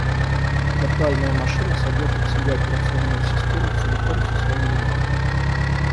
Виртуальная машина содержит в себе операционную систему целиком со своим ядром